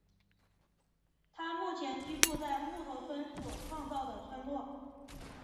他目前居住在木头村所创造的村落。